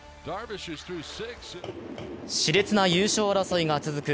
しれつな優勝争いが続く